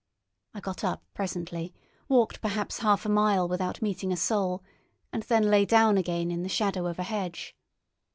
I got up presently, walked perhaps half a mile without meeting a soul, and then lay down again in the shadow of a hedge.